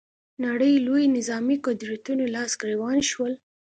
نړۍ لویو نظامي قدرتونو لاس ګرېوان شول